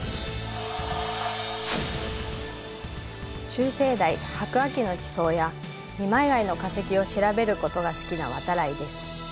中生代白亜紀の地層や二枚貝の化石を調べることが好きな渡来です。